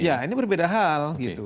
ya ini berbeda hal